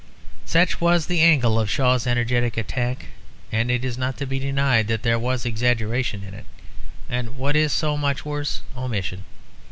Such was the angle of Shaw's energetic attack; and it is not to be denied that there was exaggeration in it, and what is so much worse, omission.